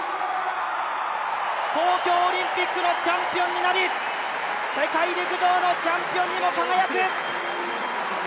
東京オリンピックのチャンピオンになり世界陸上のチャンピオンにも輝く！